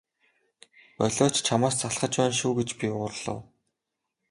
Болиоч чамаас залхаж байна шүү гэж би уурлав.